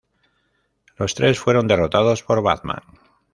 Los tres fueron derrotados por Batman.